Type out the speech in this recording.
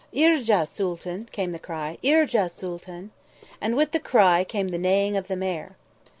"Irja, Sooltan!" came the cry. "Irja Sooltan!" And with the cry came the neighing of the mare.